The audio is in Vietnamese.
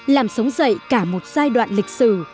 làm sống dậy cả một giai đoạn lịch sử